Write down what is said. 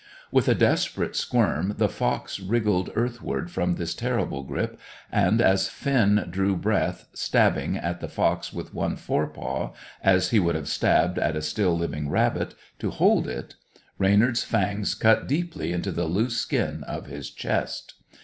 With a desperate squirm the fox wriggled earthward from this terrible grip, and, as Finn drew breath, stabbing at the fox with one fore paw, as he would have stabbed at a still living rabbit, to hold it, Reynard's fangs cut deeply into the loose skin of his chest.